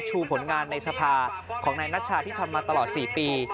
ผลงานในสภาของนายนัชชาที่ทำมาตลอด๔ปี